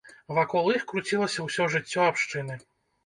Вакол іх круцілася ўсё жыццё абшчыны.